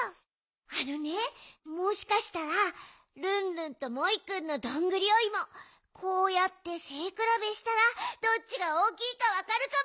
あのねもしかしたらルンルンとモイくんのどんぐりおいもこうやってせいくらべしたらどっちがおおきいかわかるかも！